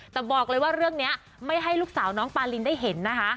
แต่บอกเลยว่าเรื่องนี้ไม่ให้ลูกสาวน้องปาลินได้เห็นนะคะ